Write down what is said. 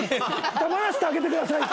黙らせてあげてくださいって。